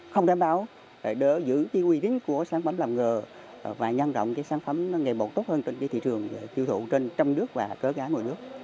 không đảm bảo để giữ tiêu uy tín của sản phẩm làm ngờ và nhanh rộng cái sản phẩm nghề bộ tốt hơn trên cái thị trường tiêu thụ trên trong nước và cớ gái ngoài nước